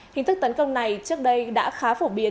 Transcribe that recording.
hình thức tấn công này trước đây đã khá phổ biến